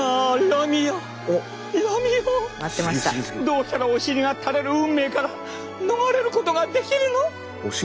どうしたらお尻がたれる運命から逃れることができるの？